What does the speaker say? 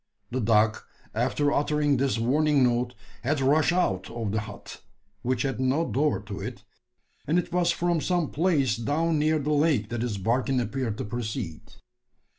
The dog, after uttering this warning note, had rushed out of the hut which had no door to it and it was from some place down near the lake that his barking appeared to proceed.